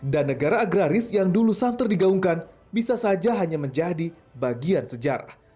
dan negara agraris yang dulu santer digaungkan bisa saja hanya menjadi bagian sejarah